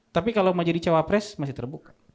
tapi kalau mau jadi cawapres masih terbuka